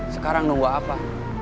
sekarang nunggu apa